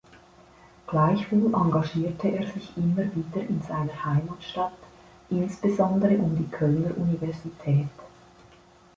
Gleichwohl engagierte er sich immer wieder in seiner Heimatstadt, insbesondere um die Kölner Universität.